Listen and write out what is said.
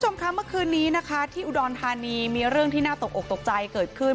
คุณผู้ชมคะเมื่อคืนนี้นะคะที่อุดรธานีมีเรื่องที่น่าตกอกตกใจเกิดขึ้น